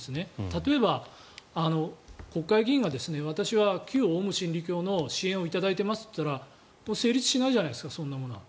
例えば、国会議員が私は旧オウム真理教の支援を頂いていますと言ったら成立しない、そんなものは。